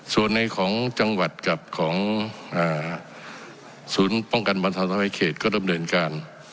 ส่วนในของจังหวัดกับของศูนย์ป้องกันบรรทรภัยเขตก็ดำเนินการ